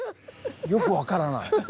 よくわからない。